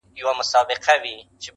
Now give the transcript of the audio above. چي پوستين له منځه ووتى جنگ سوړ سو -